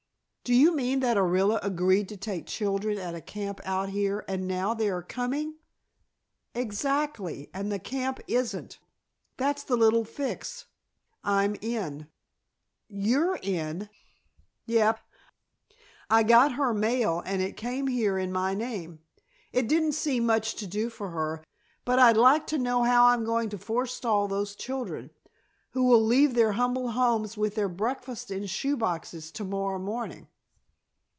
"Do you mean that Orilla agreed to take children at a camp out here and now they are coming " "Exactly. And the camp isn't. That's the little fix I'm in." "You're in?" "Yep. I got her mail and it came here in my name. It didn't seem much to do for her, but I'd like to know how I'm going to forestall those children, who will leave their humble homes with their breakfasts in shoe boxes to morrow morning."